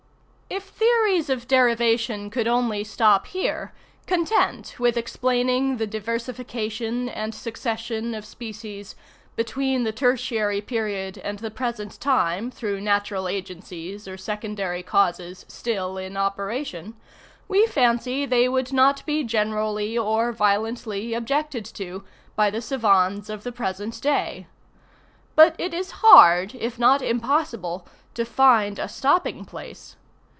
If theories of derivation could only stop here, content with explaining the diversification and succession of species between the tertiary period and the present time, through natural agencies or secondary causes still in operation, we fancy they would not be generally or violently objected to by the savans of the present day. But it is hard, if not impossible, to find a stopping place.